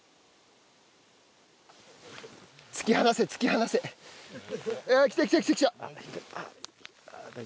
突き放せ突き放せ！あっ来た来た来た来た！